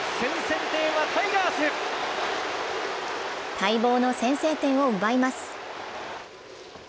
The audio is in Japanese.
待望の先制点を奪います。